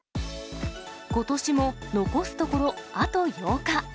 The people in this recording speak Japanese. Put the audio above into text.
ことしも残すところあと８日。